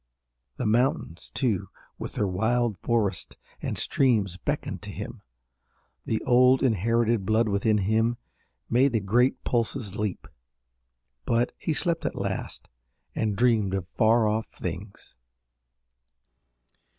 The mountains, too, with their wild forests and streams beckoned to him. The old, inherited blood within him made the great pulses leap. But he slept at last and dreamed of far off things.